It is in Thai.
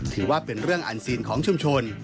ถือว่าเป็นเรื่องอันซีนของชุมชน